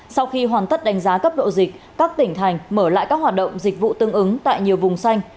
sau khi hoàn tất đánh giá cấp độ dịch các tỉnh thành mở lại các hoạt động dịch vụ tương ứng tại nhiều vùng xanh